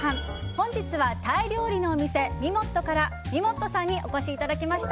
本日はタイ料理のお店みもっとからみもっとさんにお越しいただきました。